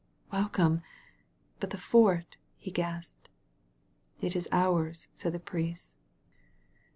"Welcome! — But the fort?" he gasped. "It is ours," said the priest.